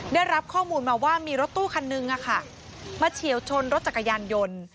ได้รับข้อมูลมาว่ามีรถตู้คันนึงมาเฉียวชนรถจักรยานยนต์